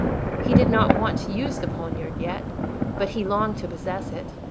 He did not want to use the poniard yet, but he longed to possess it.